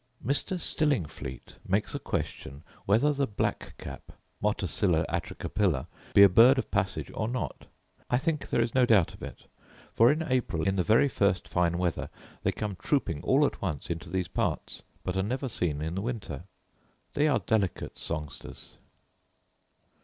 Mr. Stillingfleet makes a question whether the black cap (motacilla atricapilla) be a bird of passage or not: I think there is no doubt of it: for, in April, in the very first fine weather, they come trooping, all at once, into these parts, but are never seen in the winter. They are delicate songsters.